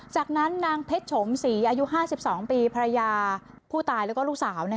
จากนั้นนางเพชรโฉมศรีอายุ๕๒ปีภรรยาผู้ตายแล้วก็ลูกสาว